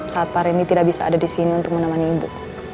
saat pak reni tidak bisa ada di sini untuk menemani ibu